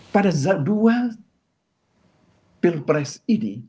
pada jadwal pilpres ini